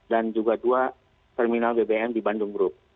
dan juga dua terminal bbm di bandung group